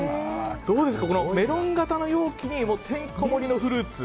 どうですか、メロン形の容器にてんこ盛りのフルーツ。